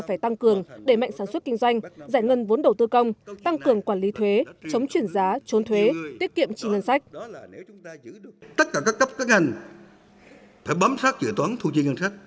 là phải tăng cường để mạnh sản xuất kinh doanh giải ngân vốn đầu tư công tăng cường quản lý thuế